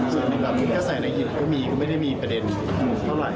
สนับสนุนก็ใส่ในหยุดก็มีก็ไม่ได้มีประเด็นเท่าไหร่